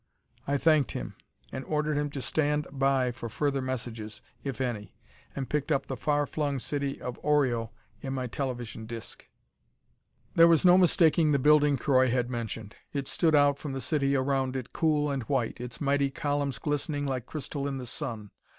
I thanked him and ordered him to stand by for further messages, if any, and picked up the far flung city of Oreo in my television disc. There was no mistaking the building Croy had mentioned. It stood out from the city around it, cool and white, its mighty columns glistening like crystal in the sun.